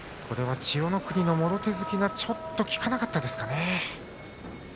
これは千代の国のもろ手突きがちょっと効かなかったですかね。